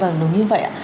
vâng đúng như vậy ạ